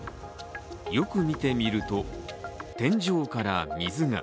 よく見てみると、天井から水が。